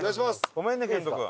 ごめんね遣都君。